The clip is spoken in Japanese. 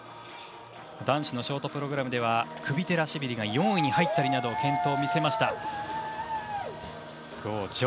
男子のショートプログラムでは４位に入ったりと健闘しました。